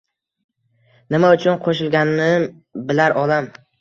Nima uchun qo‘shilganim bilar olam.